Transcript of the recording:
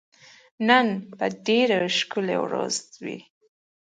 نن به ډېره ښکلی ورځ وي